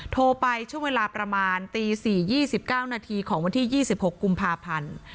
โทรไปช่วงเวลาประมาณตี๔๒๙นาทีของวันที่๒๖กุมภาพันธ์